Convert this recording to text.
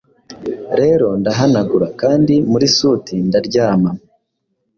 rero ndahanagura, kandi muri suti ndaryama.